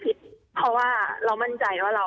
เพราะว่าเรามั่นใจว่าเรา